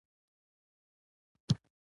سیاسي او اقتصادي بنسټونه یې وشړېدل.